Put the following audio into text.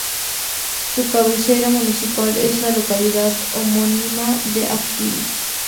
Su cabecera municipal es la localidad homónima de Akil.